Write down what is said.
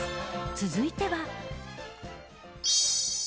続いては。